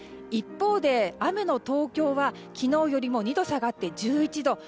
一方で、雨の東京は昨日よりも２度下がって１１度。